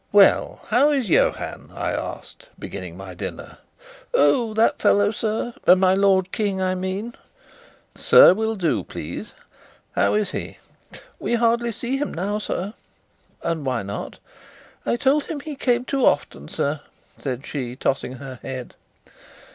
"Well, how is Johann?" I asked, beginning my dinner. "Oh, that fellow, sir my lord King, I mean!" "'Sir' will do, please. How is he?" "We hardly see him now, sir." "And why not?" "I told him he came too often, sir," said she, tossing her head.